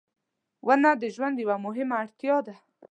• ونه د ژوند یوه مهمه اړتیا ده.